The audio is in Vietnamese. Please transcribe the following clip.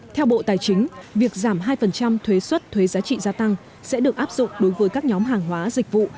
theo bộ tài chính việc giảm hai thuế xuất thuế giá trị gia tăng sẽ được áp dụng đối với các nhóm hàng hóa dịch vụ